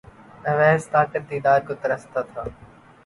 اویس طاقت دیدار کو ترستا تھا